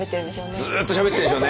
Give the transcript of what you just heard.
ずっとしゃべってるんでしょうね。